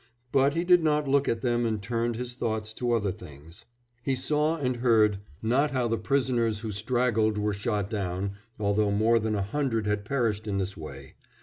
But he did not look at them and turned his thoughts to other things.... He saw and heard not how the prisoners who straggled were shot down, although more than a hundred had perished in this way....